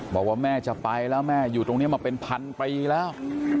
บอกว่าแม่จะไปแล้วแม่อยู่ตรงนี้มาเป็นพันปีแล้ว